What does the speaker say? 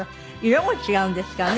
色も違うんですからね。